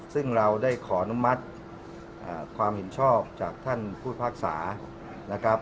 ซึ่งเราได้ขออนุมัติความเห็นชอบจากท่านผู้พิพากษานะครับ